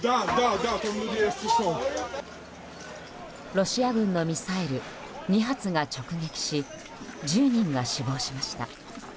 ロシア軍のミサイル２発が直撃し１０人が死亡しました。